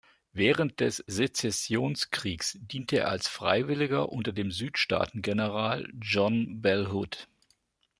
Während des Sezessionskriegs diente er als Freiwilliger unter dem Südstaaten-General John Bell Hood.